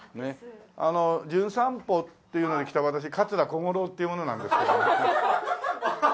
『じゅん散歩』っていうので来た私桂小五郎っていう者なんですけど。